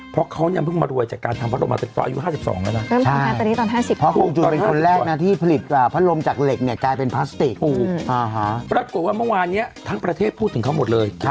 ปรากฏว่าเมื่อวานเนี่ยทั้งประเทศพูดถึงเขาหมดเลย